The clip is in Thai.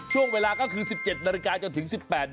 ช่วงเวลาก็คือ๑๗๑๘น